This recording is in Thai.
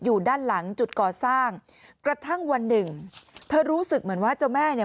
อยู่ด้านหลังจุดก่อสร้างกระทั่งวันหนึ่งเธอรู้สึกเหมือนว่าเจ้าแม่เนี่ย